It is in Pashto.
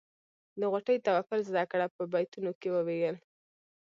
د غوټۍ توکل زده کړه په بیتونو کې وویل.